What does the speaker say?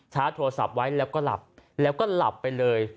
โทรศัพท์ไว้แล้วก็หลับแล้วก็หลับไปเลย